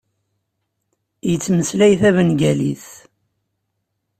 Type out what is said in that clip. Yettmeslay tabengalit.